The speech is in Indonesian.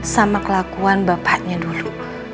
sama kelakuan bapaknya dulu